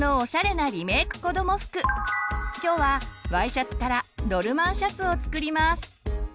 今日はＹシャツから「ドルマンシャツ」を作ります。